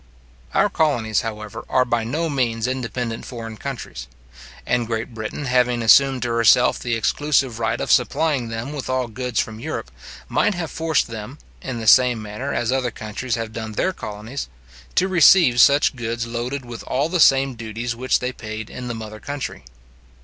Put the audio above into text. Our colonies, however, are by no means independent foreign countries; and Great Britain having assumed to herself the exclusive right of supplying them with all goods from Europe, might have forced them (in the same manner as other countries have done their colonies) to receive such goods loaded with all the same duties which they paid in the mother country.